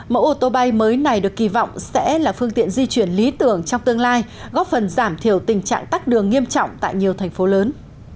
mẫu ô tô bay mới này được kỳ vọng sẽ là phương tiện di chuyển lý tưởng trong tương lai góp phần giảm thiểu tình trạng tắt đường nghiêm trọng tại nhiều thành phố lớn